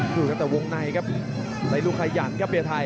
คลื่นกันตะวงในครับเลยลูกไขยันต์ครับเบียไทย